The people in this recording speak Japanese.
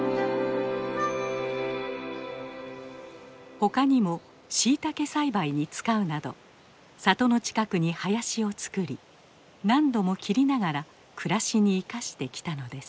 他にもシイタケ栽培に使うなど里の近くに林を造り何度も切りながら暮らしに生かしてきたのです。